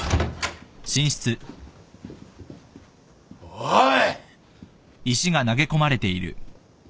・おい！